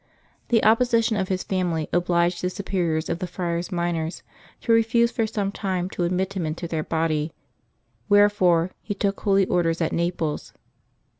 The opposition of his family obliged the supe riors of the Friar Minors to refuse for some time to admit August 20] LIVES OF THE SAINTS 287 him into their body, wherefore he took holy orders at Xaples.